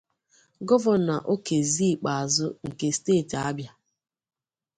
Gọvanọ Okezie Ikpeazụ nke steeti Abia